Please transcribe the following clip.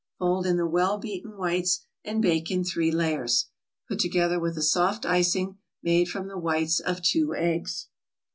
Fold in the well beaten whites, and bake in three layers. Put together with a soft icing made from the whites of two eggs.